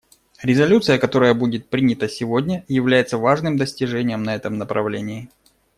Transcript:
Резолюция, которая будет принята сегодня, является важным достижением на этом направлении.